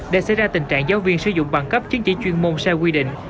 để xảy ra tình trạng giáo viên sử dụng bằng cấp chiến chỉ chuyên môn xe quy định